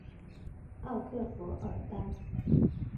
奥克弗尔当。